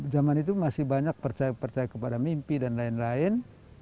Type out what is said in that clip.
zaman itu masih banyak percaya percaya kepada mimpi dan lain lain